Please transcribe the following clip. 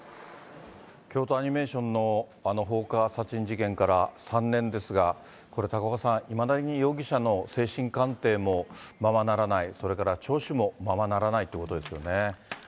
京都アニメーションのあの放火殺人事件から３年ですが、これ、高岡さん、いまだに容疑者の精神鑑定もままならない、それから聴取もままならないということですよね。